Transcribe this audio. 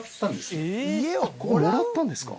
ここもらったんですか？